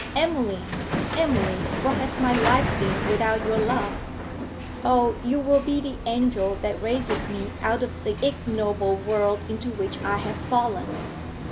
Emily, Emily, what has my life been without your love? Oh, you will be the angel that raises me out of the ignoble world into which I have fallen!